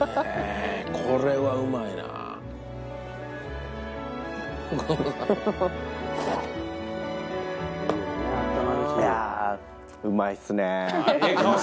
これはうまいなぁ。